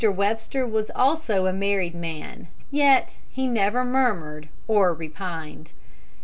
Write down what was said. Webster was also a married man, yet he never murmured or repined.